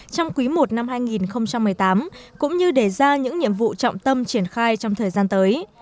trong quý i năm hai nghìn một mươi tám cũng như đề ra những nhiệm vụ trọng tâm triển khai trong thời gian tới